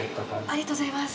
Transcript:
ありがとうございます。